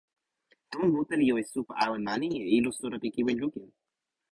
tomo mute li jo e supa awen mani, e ilo suno pi kiwen lukin!